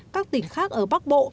các tỉnh khác ở bắc bộ